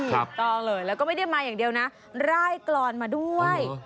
ถูกต้องเลยแล้วก็ไม่ได้มาอย่างเดียวนะร่ายกรอนมาด้วย